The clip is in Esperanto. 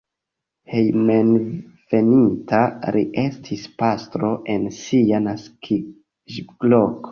Hejmenveninta li estis pastro en sia naskiĝloko.